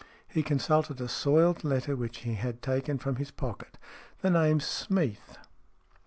He consulted a soiled letter which he had taken from his pocket. "The name's Smeath."